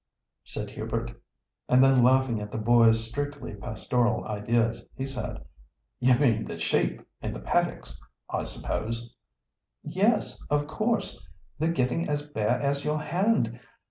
said Hubert. And then laughing at the boy's strictly pastoral ideas, he said—"You mean the sheep in the paddocks, I suppose." "Yes, of course; they're getting as bare as your hand.